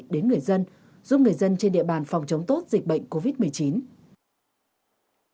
đến người dân giúp người dân trên địa bàn phòng chống tốt dịch bệnh covid một mươi chín